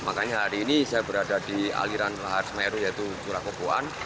makanya hari ini saya berada di aliran lahar semeru yaitu curah kopuan